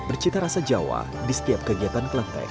bercita rasa jawa di setiap kegiatan klenteng